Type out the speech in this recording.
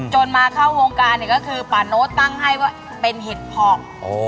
มาเข้าวงการเนี่ยก็คือป่าโน้ตตั้งให้ว่าเป็นเห็ดพอง